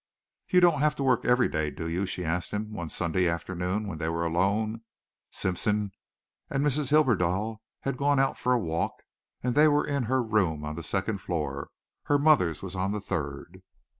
"You don't have to work every day, do you?" she asked him one Sunday afternoon when they were alone. Simpson and Mrs. Hibberdell had gone out for a walk and they were in her room on the second floor. Her mother's was on the third.